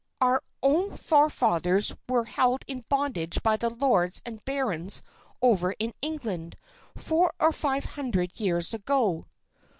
Our own forefathers were held in bondage by the lords and barons over in England, four or five hundred years ago."